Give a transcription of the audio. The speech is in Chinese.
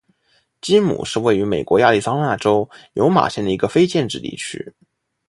基姆是位于美国亚利桑那州尤马县的一个非建制地区。